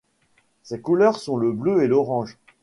Ses couleurs sont le bleu et l'orange.